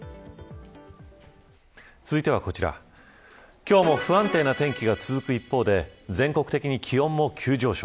続いては、こちら今日も不安定な天気が続く一方で全国的に気温も急上昇。